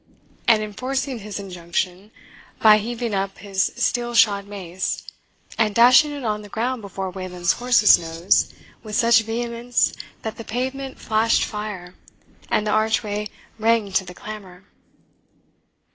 and enforcing his injunction by heaving up his steel shod mace, and dashing it on the ground before Wayland's horse's nose with such vehemence that the pavement flashed fire, and the archway rang to the clamour.